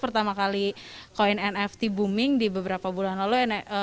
pertama kali koin nft booming di beberapa bulan lalu